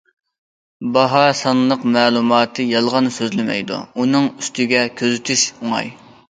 باھا سانلىق مەلۇماتى يالغان سۆزلىمەيدۇ، ئۇنىڭ ئۈستىگە كۆزىتىش ئوڭاي.